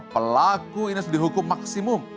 pelaku ini harus dihukum maksimum